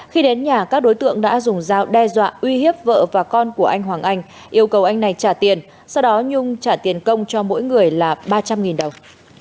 khi đến nhà các đối tượng đã dùng dao đe dọa uy hiếp vợ và con của anh hoàng anh yêu cầu anh này trả tiền sau đó nhung trả tiền công cho mỗi người là ba trăm linh đồng